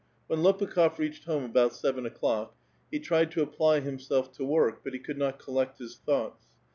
When Lopukh6f reached home about seven o'clock he tried to apply himself to work, but he could not collect his thoughts.